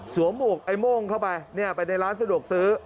หมวกไอ้โม่งเข้าไปไปในร้านสะดวกซื้อ